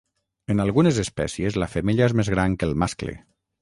En algunes espècies la femella és més gran que el mascle.